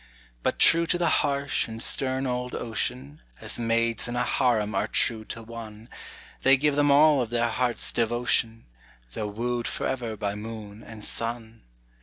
But true to the harsh and stern old ocean, As maids in a harem are true to one, They give him all of their hearts' devotion, Though wooed forever by moon and sun.